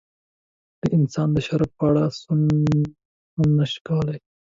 د انسان د شرف په اړه سوڼ هم نشي کولای.